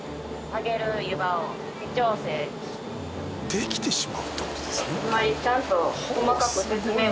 できてしまうって事ですね。